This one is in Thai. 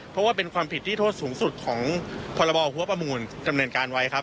เพราะว่าเป็นความผิดที่โทษสูงสุดของพรบหัวประมูลดำเนินการไว้ครับ